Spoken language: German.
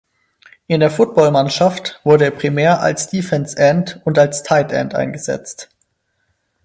In der Footballmannschaft wurde er primär als Defensive End und als Tight End eingesetzt.